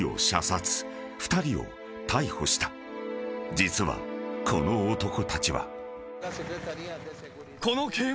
［実はこの男たちは］